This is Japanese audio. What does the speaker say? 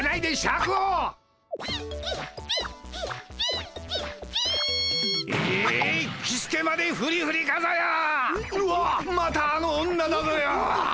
うわまたあの女だぞよ！